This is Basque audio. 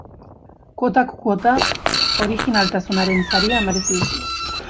Kuotak kuota, orijinaltasunaren saria merezi duzu.